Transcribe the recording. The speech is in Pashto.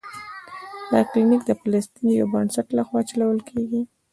دا کلینک د فلسطین د یو بنسټ له خوا چلول کیږي.